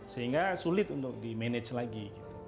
sehingga sulit untuk dimanage lagi